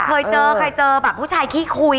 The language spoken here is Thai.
เคยเจอแบบผู้ชายขี้คุย